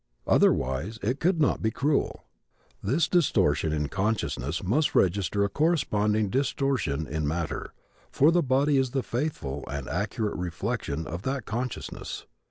Otherwise it could not be cruel. This distortion in consciousness must register a corresponding distortion in matter, for the body is the faithful and accurate reflection of that consciousness.